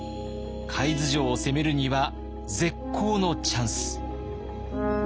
海津城を攻めるには絶好のチャンス。